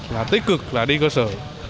là tích cực là đi cơ sở